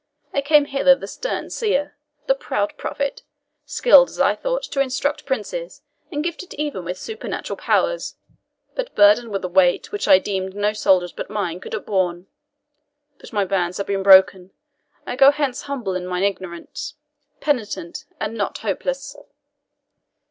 I came hither the stern seer the proud prophet skilled, as I thought, to instruct princes, and gifted even with supernatural powers, but burdened with a weight which I deemed no shoulders but mine could have borne. But my bands have been broken! I go hence humble in mine ignorance, penitent and not hopeless."